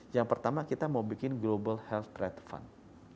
yang pertama kita mau bikin global health trade fund